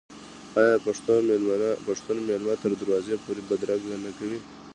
آیا پښتون میلمه تر دروازې پورې بدرګه نه کوي؟